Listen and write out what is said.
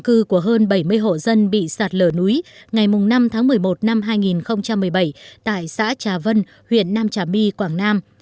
cư của hơn bảy mươi hộ dân bị sạt lở núi ngày năm tháng một mươi một năm hai nghìn một mươi bảy tại xã trà vân huyện nam trà my quảng nam